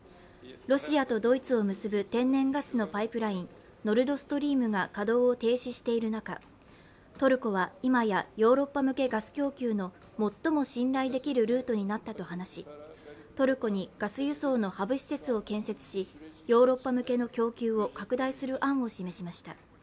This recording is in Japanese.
ロシアとドイツを結ぶ天然ガスのパイプラインノルドストリームが稼働を停止している中、トルコは今やヨーロッパ向けガス供給の最も信頼できるルートになったと話しトルコにガス輸送のハブ施設を建設しヨーロッパ向けの供給を拡大する案を示しました。